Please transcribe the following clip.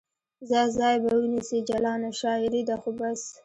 څه ځای به ونیسي جلانه ؟ شاعرې ده خو بس